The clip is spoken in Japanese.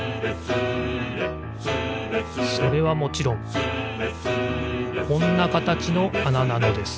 それはもちろんこんなかたちのあななのです